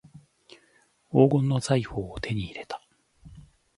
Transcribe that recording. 黄金の財宝を手に入れた